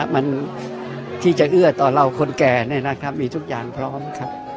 มันที่จะเอื้อต่อเราคนแก่เนี่ยนะครับมีทุกอย่างพร้อมครับ